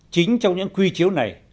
chính trong những quy chiếu này